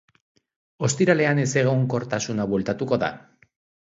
Ostiralean ezegonkortsuna bueltatuko da.